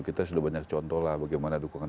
kita sudah banyak contoh lah bagaimana dukungan